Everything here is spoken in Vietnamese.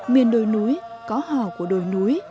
miền đồi núi có hò của đồi núi